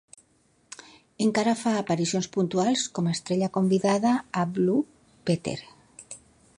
Encara fa aparicions puntuals com a estrella convidada a "Blue Peter".